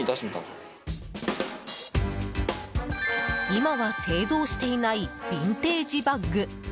今は製造していないビンテージバッグ。